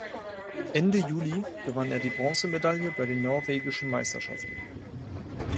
Ende Juli gewann er die Bronzemedaille bei den Norwegischen Meisterschaften.